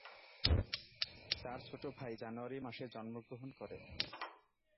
তার ছোট ভাই জানুয়ারি মাসে জন্মগ্রহণ করে।